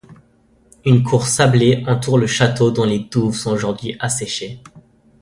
Une cour sablée entoure le château dont les douves sont aujourd'hui asséchées.